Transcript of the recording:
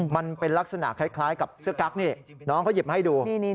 มันเป็นลักษณะคล้ายกับเสื้อกั๊กนี่น้องเขาหยิบมาให้ดู